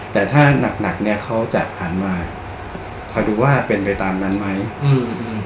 แต่ถ้าหนักหนักเนี้ยเขาจะหันมาคอยดูว่าเป็นไปตามนั้นไหมอืม